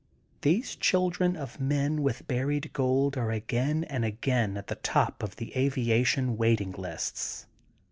Thesd children of men with buried gold are again and again at the top of the aviation waiting lists.